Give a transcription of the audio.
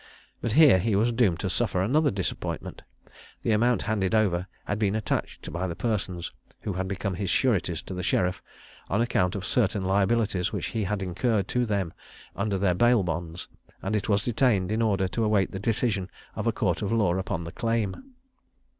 But here he was doomed to suffer another disappointment. The amount handed over had been attached by the persons, who had become his sureties to the sheriff, on account of certain liabilities which he had incurred to them under their bail bonds, and it was detained in order to await the decision of a court of law upon the claim.